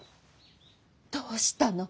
どうしたの？